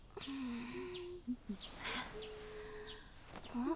うん。